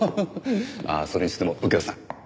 それにしても右京さん